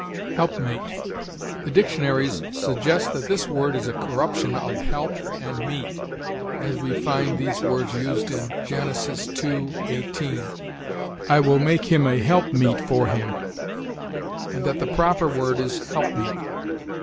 HELPMATE. The dictionaries suggest that this word is a corruption of help and meet, as we find these words used in Gen. ii, 18, "I will make him a help meet for him," and that the proper word is helpmeet.